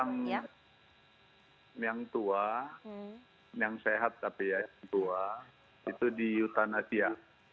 itu yang tua yang sehat tapi ya tua itu di utanasia